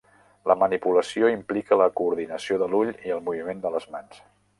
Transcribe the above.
La manipulació implica la coordinació de l'ull i el moviment de les mans.